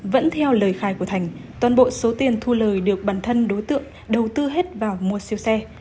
vẫn theo lời khai của thành toàn bộ số tiền thu lời được bản thân đối tượng đầu tư hết vào mua siêu xe